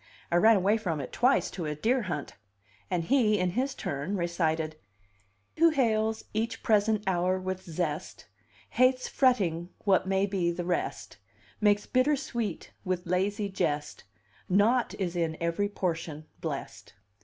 I ran away from it twice to a deer hunt." And he, in his turn, recited: "Who hails each present hour with zest Hates fretting what may be the rest, Makes bitter sweet with lazy jest; Naught is in every portion blest."